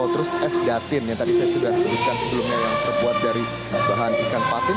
terus es datin yang tadi saya sudah sebutkan sebelumnya yang terbuat dari bahan ikan patung